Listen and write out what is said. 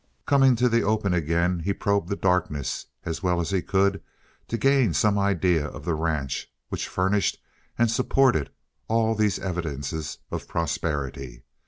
Coming to the open again, he probed the darkness as well as he could to gain some idea of the ranch which furnished and supported all these evidences of prosperity.